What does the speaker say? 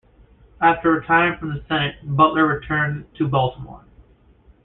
After retiring from the Senate, Butler returned to Baltimore.